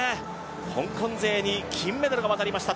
香港勢に金メダルが渡りました。